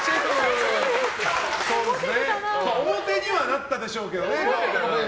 おモテにはなったでしょうけどね。